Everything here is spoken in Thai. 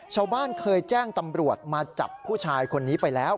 ชาวบ้านเคยแจ้งตำรวจมาจับผู้ชายคนนี้ไปแล้ว